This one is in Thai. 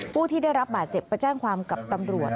ผู้ที่ได้รับบาดเจ็บไปแจ้งความกับตำรวจ